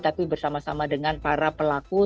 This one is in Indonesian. tapi bersama sama dengan para pelaku